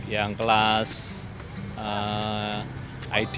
yang kelas id